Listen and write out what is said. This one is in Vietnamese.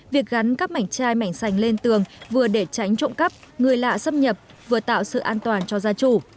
việc gắn các mảnh chai mảnh xanh lên tường vừa để tránh trộm cắp người lạ xâm nhập vừa tạo sự an toàn cho gia chủ